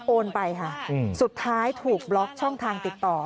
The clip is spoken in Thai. โอนไปค่ะสุดท้ายถูกบล็อกช่องทางติดต่อ